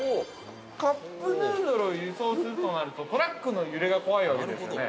カップヌードルを輸送するとなるとトラックの揺れが怖いわけですよね。